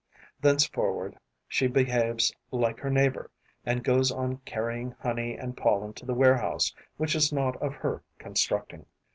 Thenceforward she behaves like her neighbour and goes on carrying honey and pollen to the warehouse which is not of her constructing.